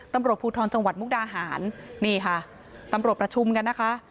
ตำรวจภูทรจังหวัดมุกดาหารนี่ค่ะตำรวจประชุมกันนะคะ